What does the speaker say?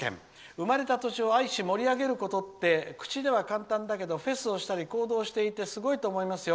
生まれた都市を愛し盛り上げることは口では簡単だけどフェスをしたり行動しててすごいと思いますよ。